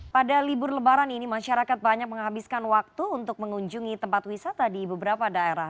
pada libur lebaran ini masyarakat banyak menghabiskan waktu untuk mengunjungi tempat wisata di beberapa daerah